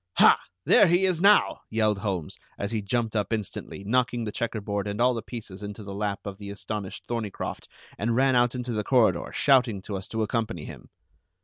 "Ha! There he is now!" yelled Holmes, as he jumped up instantly, knocking the checkerboard and all the pieces into the lap of the astonished Thorneycroft, and ran out into the corridor, shouting to us to accompany him.